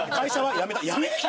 辞めた。